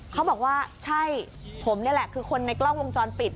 เขาบอกว่าใช่ผมนี่แหละคือคนในกล้องวงจรปิด